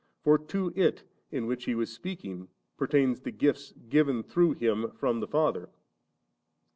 for to it, in which He was speaking, per tained the gifts given tlirough Him from the Father.